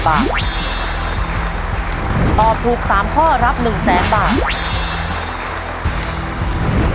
ถ้าตอบถูก๓ข้อรับ๑๐๐๐๐๐บาท